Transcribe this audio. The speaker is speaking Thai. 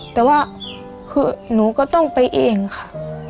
แต่ว่าคือหนูก็ต้องไปเองค่ะ